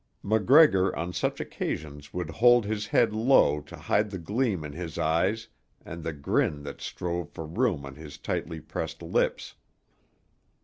MacGregor on such occasions would hold his head low to hide the gleam in his eyes and the grin that strove for room on his tightly pressed lips.